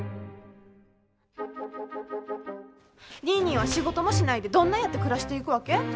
ニーニーは仕事もしないでどんなやって暮らしていくわけ？